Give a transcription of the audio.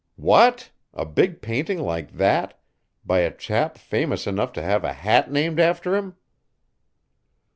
"What! A big painting like that, by a chap famous enough to have a hat named after him."